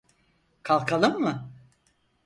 Kalkalım mı?